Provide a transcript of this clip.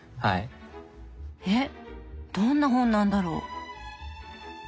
えっどんな本なんだろう？